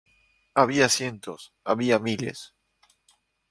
había cientos, había miles.